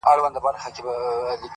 نه د ژړا نه د خندا خاوند دی؛